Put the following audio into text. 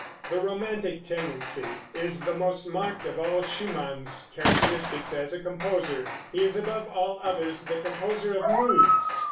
The romantic tendency is the most marked of all of Schumann's characteristics as a composer. He is above all others the composer of moods.